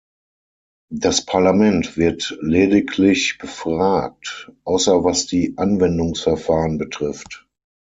Das Parlament wird lediglich befragt, außer was die Anwendungsverfahren betrifft.